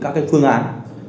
các phương án